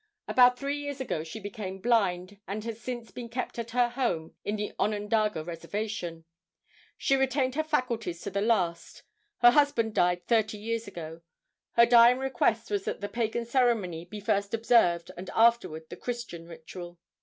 About three years ago she became blind, and has since been kept at her home on the Onondaga reservation. She retained her faculties to the last. Her husband died thirty years ago. Her dying request was that the pagan ceremony be first observed and afterward the Christian ritual.